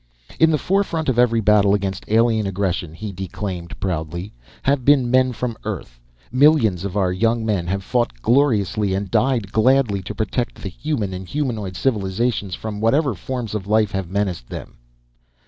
"In the forefront of every battle against alien aggression," he declaimed proudly, "have been men from Earth. Millions of our young men have fought gloriously and died gladly to protect the human and humanoid civilizations from whatever forms of life have menaced them.